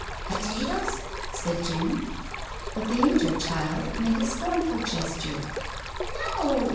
"Potatoes?" said Jimmie. But the angel child made a scornful gesture. "No.